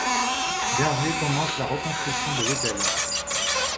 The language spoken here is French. Berger commence la reconstruction de l'hôtel.